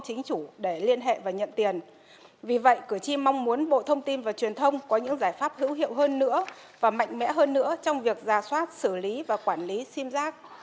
chính chủ vậy cử tri mong muốn bộ thông tin và truyền thông có những giải pháp hữu hiệu hơn nữa và mạnh mẽ hơn nữa trong việc giả soát xử lý và quản lý sim giác